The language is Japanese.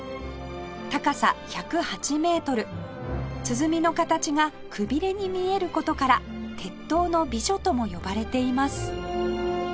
高さ１０８メートル鼓の形がくびれに見える事から「鉄塔の美女」とも呼ばれています